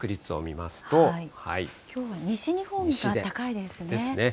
きょうは西日本が高いですね。ですね。